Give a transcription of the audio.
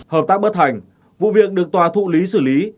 hợp tác bất thành vụ việc được tòa thụ lý xử lý